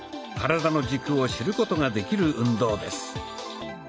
体の軸を知ることができる運動です。